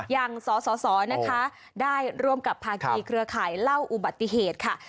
อย่างสสนะคะได้ร่วมกับภาคีเครือข่ายเล่าอุบัติเหตุค่ะ